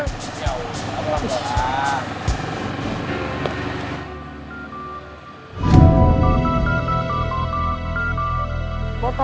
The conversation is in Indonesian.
ya udah pelan pelan